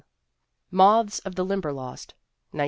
Moths of the Limberlost, 1912.